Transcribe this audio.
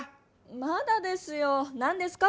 まだですよ。何ですか？